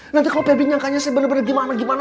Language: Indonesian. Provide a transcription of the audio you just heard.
nanti kalau pebi nyangkanya saya bener bener gimana gimana